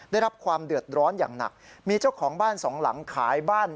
ได้รับความเดือดร้อนอย่างหนักมีเจ้าของบ้านสองหลังขายบ้าน